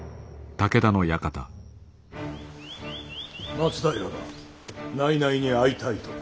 松平が内々に会いたいと。